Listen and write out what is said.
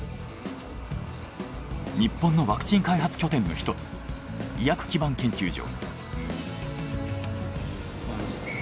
日本のワクチン開発拠点の１つ医薬基盤研究所。